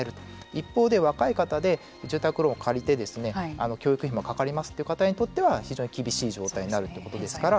一方で若い方で住宅ローンを借りて教育費もかかりますという方にとっては非常に厳しい状態になるということですから。